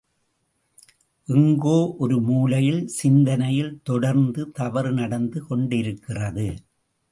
எங்கோ ஒரு மூலையில் சிந்தனையில் தொடர்ந்து தவறு நடந்து கொண்டிருக்கிறது.